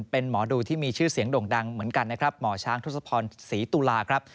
เป็นหมอดูที่มีชื่อเสียงโด่งดังเหมือนกันนะครับหมอช้างทศพรศรีตุลาครับ